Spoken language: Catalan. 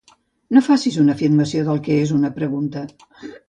No facis una afirmació del que és una pregunta